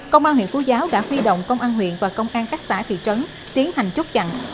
công an huyện phú giáo đã huy động công an huyện và công an các xã thị trấn tiến hành chốt chặn